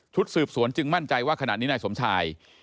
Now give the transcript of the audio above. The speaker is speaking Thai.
สืบสวนจึงมั่นใจว่าขณะนี้นายสมชาย